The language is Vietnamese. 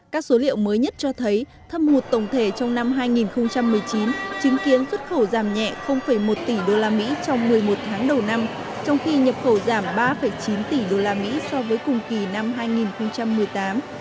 các số liệu mới nhất cho thấy thâm hụt tổng thể trong năm hai nghìn một mươi chín chứng kiến xuất khẩu giảm nhẹ một tỷ usd trong một mươi một tháng đầu năm trong khi nhập khẩu giảm ba chín tỷ usd so với cùng kỳ năm hai nghìn một mươi tám